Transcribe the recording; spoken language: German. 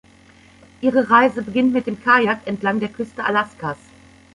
Ihre Reise beginnt mit dem Kajak entlang der Küste Alaskas.